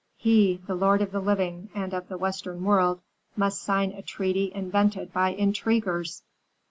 He, the lord of the living, and of the western world, must sign a treaty invented by intriguers!"